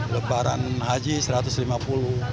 lebaran haji rp satu ratus lima puluh